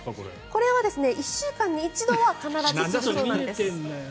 これは１週間に一度は必ずするそうなんです。